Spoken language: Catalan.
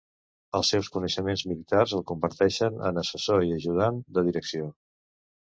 Els seus coneixements militars el converteixen en assessor i ajudant de direcció.